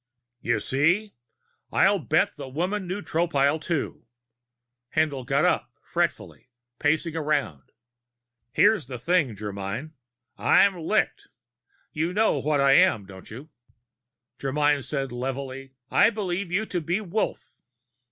"You see? And I'll bet the woman knew Tropile, too." Haendl got up fretfully, pacing around. "Here's the thing, Germyn. I'm licked. You know what I am, don't you?" Germyn said levelly: "I believe you to be Wolf."